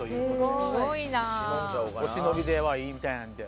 すごい。お忍びではいいみたいなんで。